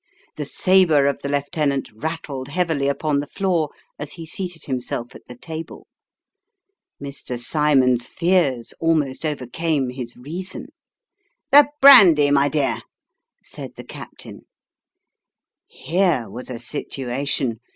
The sabre of the lieutenant rattled heavily upon the floor, as he seated himself at the table. Mr. Cymon's fears almost overcame his reason. " The brandy, my dear !" said the captain. Here was a situation